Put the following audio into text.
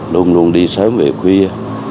luôn luôn đi sớm về khuya